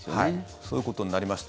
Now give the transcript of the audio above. そういうことになりました。